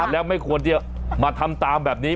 แล้วไม่ควรจะมาทำตามแบบนี้